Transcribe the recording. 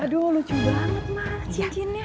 aduh lucu banget mah cincinnya